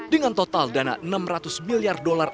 dengan total dana enam ratus miliar dolar